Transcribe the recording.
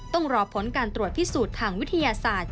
ต้องรอผลการตรวจพิสูจน์ทางวิทยาศาสตร์